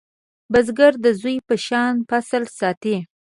بزګر د زوی په شان فصل ساتي